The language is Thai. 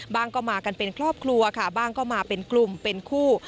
ก็มากันเป็นครอบครัวค่ะบ้างก็มาเป็นกลุ่มเป็นคู่